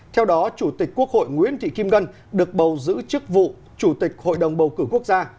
theo đó chủ tịch quốc hội nguyễn thị kim ngân được bầu giữ chức vụ chủ tịch hội đồng bầu cử quốc gia